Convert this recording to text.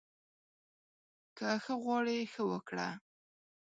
که ښه غواړې، ښه وکړه